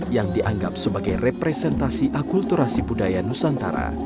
yang dianggap sebagai representasi akulturasi budaya nusantara